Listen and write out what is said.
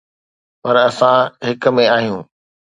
پر اسان هڪ ۾ آهيون.